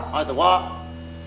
wah itu wak